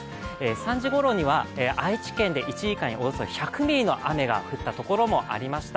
３時ごろには愛知県に１時間におよそ１００ミリの雨が降ったところもありました。